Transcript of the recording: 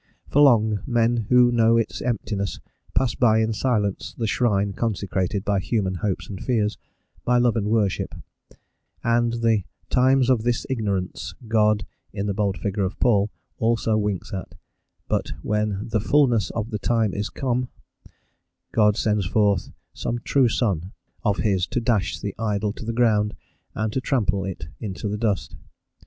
For long, men who know its emptiness pass by in silence the shrine consecrated by human hopes and fears, by love and worship, and the "times of this ignorance God (in the bold figure of Paul) also winks at;" but when "the fulness of the time is come," God sends forth some true son of his to dash the idol to the ground, and to trample it into dust.